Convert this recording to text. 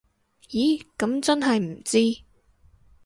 咦噉真係唔知